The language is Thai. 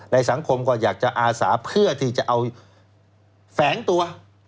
สังคมก็อยากจะอาสาเพื่อที่จะเอาแฝงตัว